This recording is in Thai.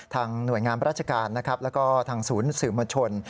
ทางหน่วยงานพระราชการแล้วก็ทางศูนย์สื่อมชน